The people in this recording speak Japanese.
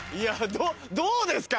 どうですか？